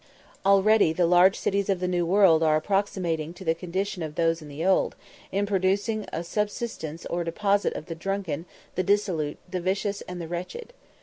Already the large cities of the New World are approximating to the condition of those in the Old, in producing a subsidence or deposit of the drunken, the dissolute, the vicious, and the wretched.